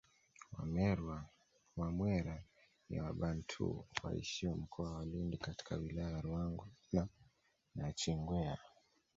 Wamwera ni wabantu waishio mkoa wa Lindi katika wilaya ya Ruangwa na nachingwea